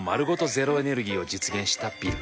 ゼロエネルギーを実現したビル。